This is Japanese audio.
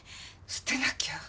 捨てなきゃ。